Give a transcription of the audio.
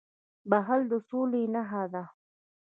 • بښل د سولي نښه ده.